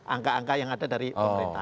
angka angka yang ada dari pemerintah